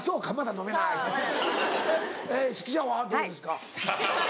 指揮者はどうですか？